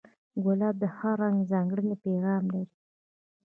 ګلاب د هر رنگ ځانګړی پیغام لري.